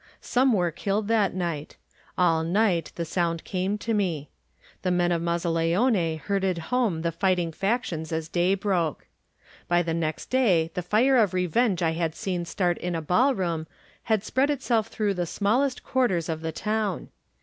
Some were killed that night. ..• All night the somid came to me. The men of Mazza leone herded home the fighting factions as day broke. By the next day the fire of revenge I had seen start in a ballroom had spread itself through the smallest quarters of the town.